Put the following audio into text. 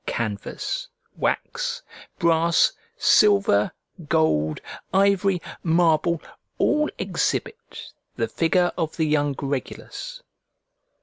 Canvas, wax, brass, silver, gold, ivory, marble, all exhibit the figure of the young Regulus.